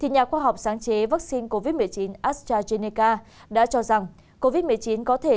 nhà khoa học sáng chế vaccine covid một mươi chín astrazeneca đã cho rằng covid một mươi chín có thể